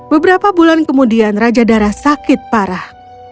beberapa bulan kemudian raja dara sakit parah